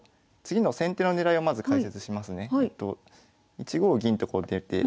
１五銀とこう出て。